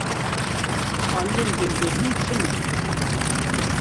Aliyên bingehîn çi ne?